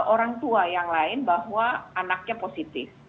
orang tua yang lain bahwa anaknya positif